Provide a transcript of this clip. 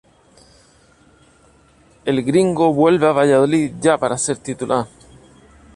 El Gringo vuelve al Valladolid ya para ser titular.